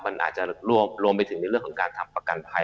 มันอาจจะรวมไปถึงในเรื่องของการทำประกันภัย